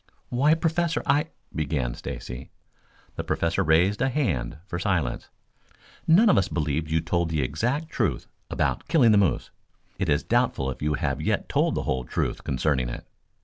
"Why, Professor, I " began Stacy. The Professor raised a hand for silence. "None of us believed you told the exact truth about killing the moose. It is doubtful if you have yet told the whole truth concerning it.